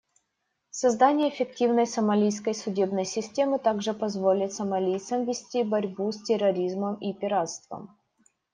Создание эффективной сомалийской судебной системы также позволит сомалийцам вести борьбу с терроризмом и пиратством.